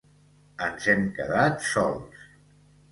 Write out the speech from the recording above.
Ens hem quedat sols.